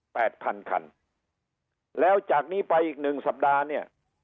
พันคันแล้วจากนี้ไปอีกหนึ่งสัปดาห์เนี่ย